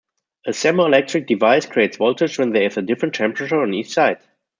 A thermoelectric device creates voltage when there is a different temperature on each side.